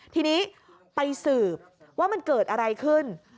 ทีนี้ไปสืบว่ามันเกิดอะไรขึ้น